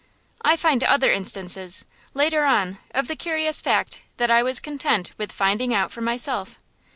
I find other instances, later on, of the curious fact that I was content with finding out for myself.